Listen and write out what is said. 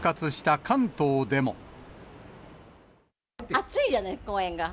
暑いじゃないですか、公園が。